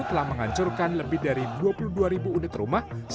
telah menghancurkan lebih dari dua puluh dua ribu unit rumah